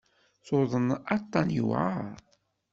Tuḍen aṭṭan yewɛer.